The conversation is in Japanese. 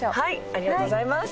ありがとうございます！